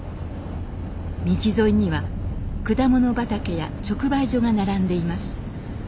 道沿いには果物畑や直売所が並んでいます。